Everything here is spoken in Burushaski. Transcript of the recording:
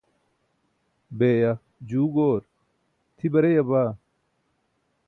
beeya, juu goor, tʰi bareya baa.